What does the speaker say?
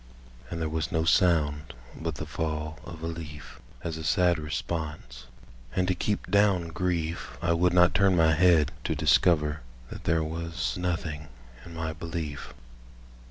And there was no sound but the fall of a leaf As a sad response; and to keep down grief I would not turn my head to discover That there was nothing in my belief.